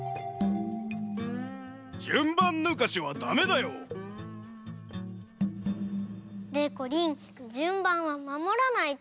じゅんばんぬかしはだめだよ！でこりんじゅんばんはまもらないと。